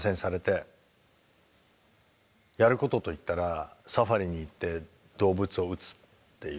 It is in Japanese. やることといったらサファリに行って動物を撃つっていう。